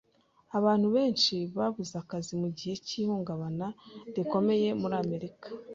Abantu benshi babuze akazi mugihe cy'ihungabana rikomeye muri Amerika